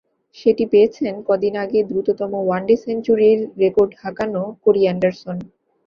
সেটি পেয়েছেন কদিন আগে দ্রুততম ওয়ানডে সেঞ্চুরির রেকর্ড হাঁকানো কোরি অ্যান্ডারসন।